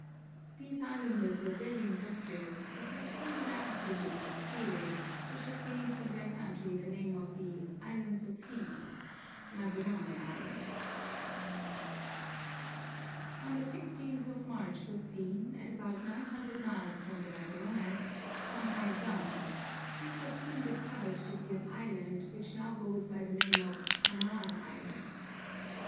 These islanders were very industrious, but had a singular aptitude for stealing, which has gained for their country the name of the Islands of Thieves (Ladrone Islands). [Illustration: The Ladrone Islands. From an old print.] On the 16th of March was seen, at about 900 miles from the Ladrones, some high ground; this was soon discovered to be an island which now goes by the name of Samar Island.